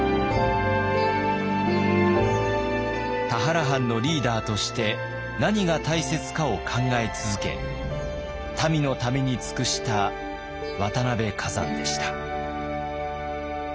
田原藩のリーダーとして何が大切かを考え続け民のために尽くした渡辺崋山でした。